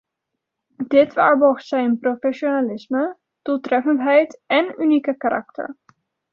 Dit waarborgt zijn professionalisme, doeltreffendheid en unieke karakter.